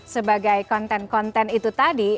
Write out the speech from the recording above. sebagai konten konten itu tadi